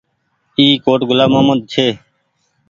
اي ڪوٽ گلآم مهمد ڇي۔